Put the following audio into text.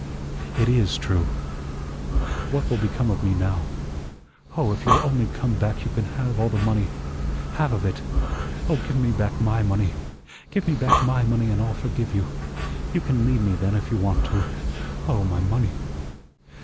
It IS true. What will become of me now? Oh, if you'll only come back you can have all the money half of it. Oh, give me back my money. Give me back my money, and I'll forgive you. You can leave me then if you want to. Oh, my money.